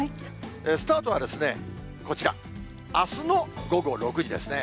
スタートはこちら、あすの午後６時ですね。